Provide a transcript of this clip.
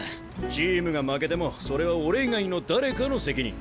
チームが負けてもそれは俺以外の誰かの責任。